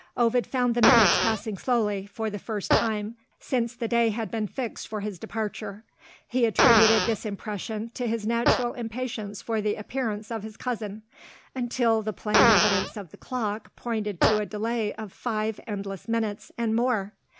Ovid found the minutes passing slowly, for the first time since the day had been fixed for his departure. He attributed this impression to his natural impatience for the appearance of his cousin until the plain evidence of the clock pointed to a delay of five endless minutes, and more.